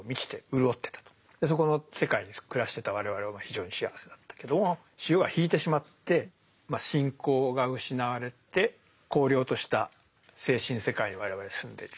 そこの世界に暮らしてた我々は非常に幸せだったけども潮が引いてしまって信仰が失われて荒涼とした精神世界に我々は住んでいる。